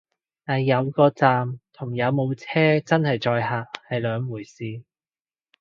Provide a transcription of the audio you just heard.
但係有個站同有冇車真係載客係兩回事